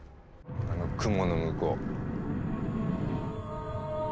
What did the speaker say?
あの雲の向こう。